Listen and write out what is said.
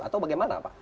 atau bagaimana pak